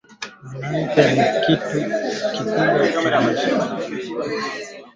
Mwanamuke eko na uwezo ya tumika kaji ya ofisi ata ku ongoza ma kampuni